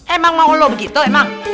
emang mau lo begitu emang